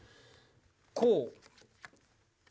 こう。